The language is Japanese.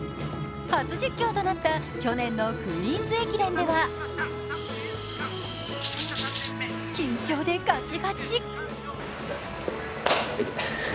初実況となった去年のクイーンズ駅伝では緊張でガチガチ。